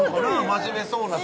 真面目そうなさ